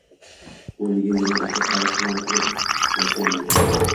Qo`yniga yana o`sha sariq ilon kirib yotganmish